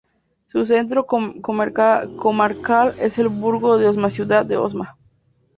Su centro comarcal es El Burgo de Osma-Ciudad de Osma.